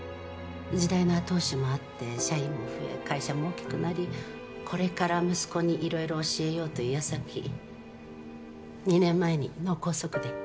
時代の後押しもあって社員も増え会社も大きくなりこれから息子にいろいろ教えようというやさき２年前に脳梗塞で。